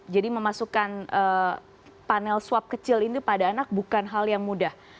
jadi memasukkan panel swab kecil ini pada anak bukan hal yang mudah